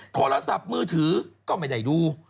โทรศัพท์มือถือก็ไม่ได้ดู